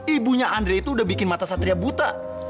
ibunya andre itu udah bikin mata satria buta